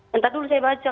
nanti dulu saya baca